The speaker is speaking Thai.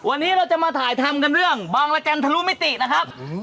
วันนี้เราจะมาถ่ายทำกันเรื่องบางละกันทะลุมิตินะครับ